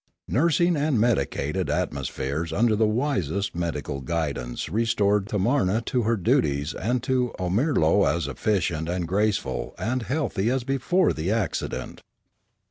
Nursing and medicated atmospheres under the wisest medical guidance restored Tamarna to her duties and to Omirlo as efficient and graceful and healthy as before the accident.